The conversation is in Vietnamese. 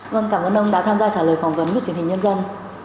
vâng cảm ơn ông đã tham gia trả lời phỏng vấn của truyền hình nhân dân